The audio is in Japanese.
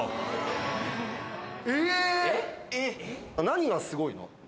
・何がすごいの？